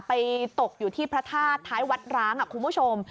ตกอยู่ที่พระธาตุท้ายวัดร้างคุณผู้ชม